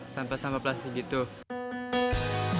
sampah plastik gitu